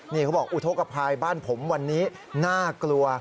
นี่เขาบอกอุทธกภัยบ้านผมวันนี้น่ากลัว